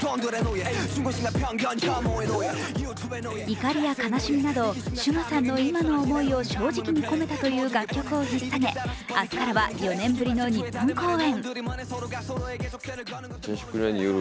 怒りや悲しみなどＳＵＧＡさんの今の思いを正直に込めたという楽曲をひっ提げ明日からは４年ぶりの日本公演。